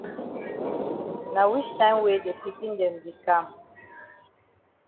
Na wich time wey de pikin dem be kam?